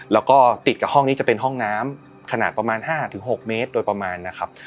แล้วก็ติดกับห้องนี้จะเป็นห้องน้ำขนาดประมาณ๕๖เมตรโดยประมาณนะครับ